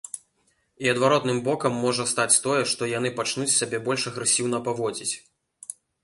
І адваротным бокам можа стаць тое, што яны пачнуць сябе больш агрэсіўна паводзіць.